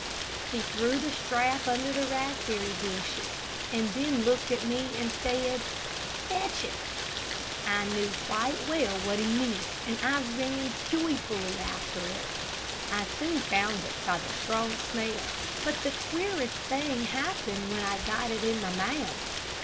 He threw the strap under the raspberry bushes, then looked at me and said, "Fetch it." I knew quite well what he meant, and ran joyfully after it. I soon found it by the strong smell, but the queerest thing happened when I got it in my mouth.